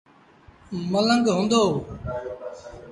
ملنگ هئندو۔